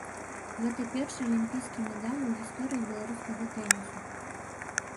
Гэта першы алімпійскі медаль у гісторыі беларускага тэнісу.